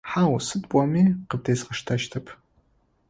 Хьау, сыд пӏоми къыбдезгъэштэщтэп.